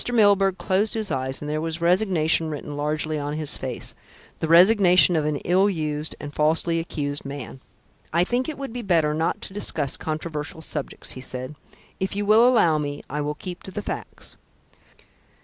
Milburgh closed his eyes and there was resignation written largely on his face the resignation of an ill used and falsely accused man. "I think it would be better not to discuss controversial subjects," he said. "If you will allow me, I will keep to the facts."